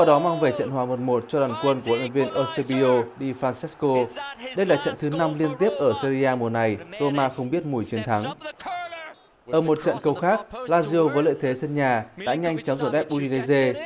ở một trận câu khác lazio với lợi thế sân nhà đã nhanh chóng rộn đếp udinese